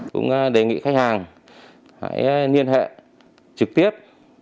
cũng đề nghị khách hàng hãy liên hệ trực tiếp